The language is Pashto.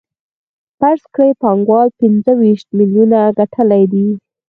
فرض کړئ پانګوال پنځه ویشت میلیونه ګټلي دي